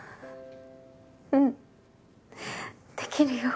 うんできるよ。